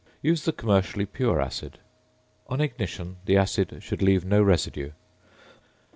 Use the commercially pure acid. On ignition the acid should leave no residue.